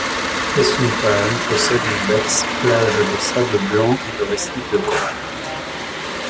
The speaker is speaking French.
Pasumpahan possède une belle plage de sable blanc et des récifs de corail.